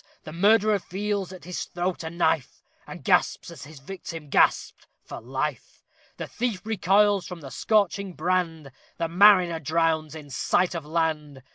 The murderer feels at his throat a knife, And gasps, as his victim gasped, for life! The thief recoils from the scorching brand; The mariner drowns in sight of land!